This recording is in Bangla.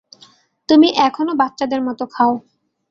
তুমি এখনো বাচ্চাদের মতো খাও।